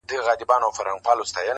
نن مي له زلمیو په دې خپلو غوږو واورېده؛